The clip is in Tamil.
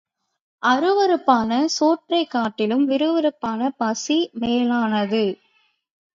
அருவருப்பான சோற்றைக்காட்டிலும் விறுவிறுப்பான பசி மேலானது.